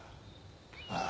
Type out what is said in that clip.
ああ。